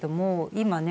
今ね